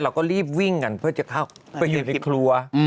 เราก็รีบวิ่งกันเพื่อจะเข้าไปอยู่ในครัว